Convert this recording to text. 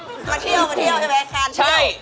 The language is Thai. มาเที่ยวใช่ไหมมาเที่ยว